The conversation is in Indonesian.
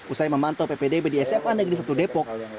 usai memantau ppdb di sma negeri satu depok